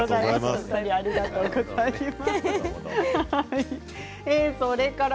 お二人ありがとうございます。